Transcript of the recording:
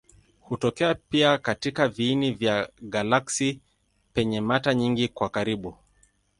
Hutokea pia katika viini vya galaksi penye mata nyingi kwa karibu.